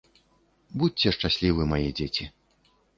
Будзьце шчаслівы, мае дзеці.